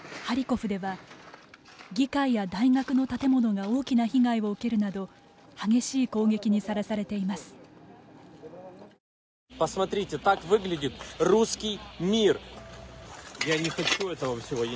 ハリコフでは議会や大学の建物が大きな被害を受けるなど激しい攻撃にさらされています。